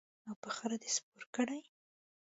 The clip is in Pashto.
او په خره دې سپور کړي.